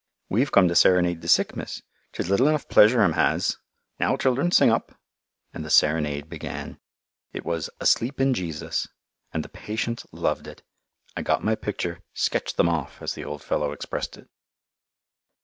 "We've come to serenade the sick, miss. 'Tis little enough pleasure 'em has. Now, children, sing up"; and the "serenade" began. It was "Asleep in Jesus," and the patients loved it! I got my picture, "sketched them off," as the old fellow expressed it.